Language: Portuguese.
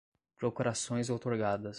procurações outorgadas